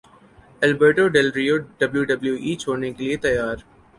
Alberto Del Rio W W E چھوڑنے کے لیے تیار